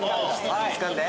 つかんで！